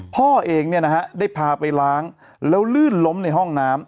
พ่อเองได้พาไปล้างแล้วลื่นล้มในห้องน้ำ